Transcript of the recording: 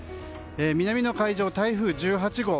南の海上に台風１８号。